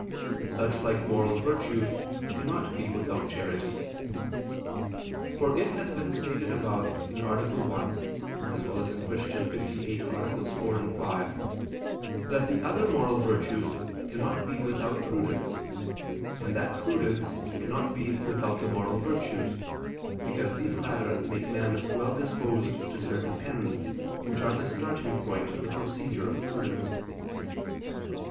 Such like moral virtues cannot be without charity. For it has been stated above (A. 1; Q. 58, AA. 4, 5) that the other moral virtues cannot be without prudence; and that prudence cannot be without the moral virtues, because these latter make man well disposed to certain ends, which are the starting point of the procedure of prudence.